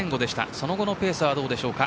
その後のペースはどうでしょうか。